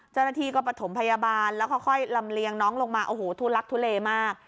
เจ้าหน้าที่ก็ประถมพยาบาลแล้วค่อยลำเลียงน้องลงมาโอ้โหทุลักทุเลมาก